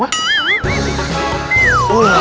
kok hidup butet semua